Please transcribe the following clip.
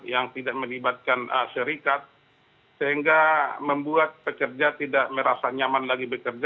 yang tidak melibatkan syarikat sehingga membuat pekerja tidak merasa nyaman lagi bekerja